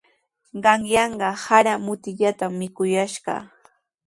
Qanyanqa sara mutillatami mikuyashqaa.